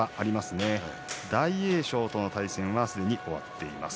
大栄翔との対戦はすでに終わっています。